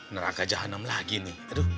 neraka jahannam lagi nih